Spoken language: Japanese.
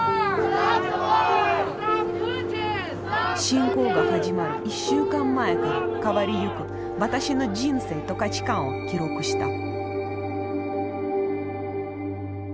侵攻が始まる１週間前から変わりゆく私の人生と価値観を記録した。